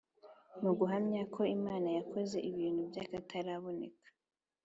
mu guhamya ko imana yakoze ibintu by’akataraboneka